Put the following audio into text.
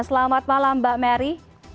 selamat malam mbak mary